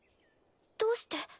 どうして？